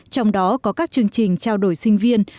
trong đó có các chương trình trao đổi sinh viên